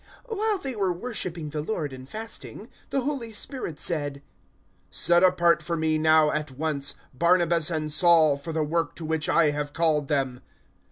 013:002 While they were worshipping the Lord and fasting, the Holy Spirit said, "Set apart for Me, now at once, Barnabas and Saul, for the work to which I have called them."